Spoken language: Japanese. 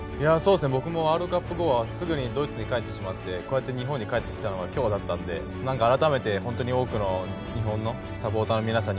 僕もワールドカップ後はすぐにドイツに帰ってしまって日本に帰ってきたのが今日だったので改めて本当に多くの日本のサポーターの皆さんに